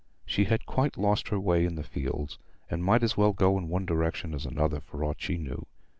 She had quite lost her way in the fields, and might as well go in one direction as another, for aught she knew.